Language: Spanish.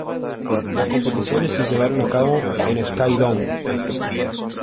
Las competiciones se llevaron a cabo en el Sky Dome.